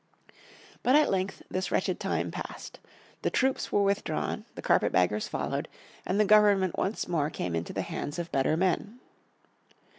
But at length this wretched time passed. The troops were withdrawn, the carpet baggers followed, and the government once more came into the hands of better men.